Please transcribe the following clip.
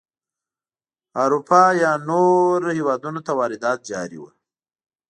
اروپا یا نورو هېوادونو ته واردات جاري وو.